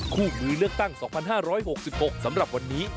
คู่มือเลือกตั้ง๒๕๖๖สำหรับวันนี้